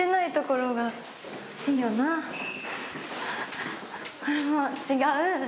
これも違う。